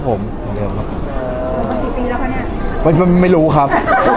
ปีแล้วไงไม่ไม่รู้ครับ